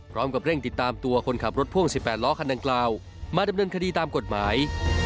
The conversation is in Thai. พร้อมกับเร่งติดตามตัวคนขับรถพ่วง๑๘ล้อคันดังกล่าวมาดำเนินคดีตามกฎหมาย